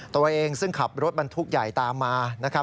ตัวเองซึ่งขับรถบรรทุกใหญ่ตามมานะครับ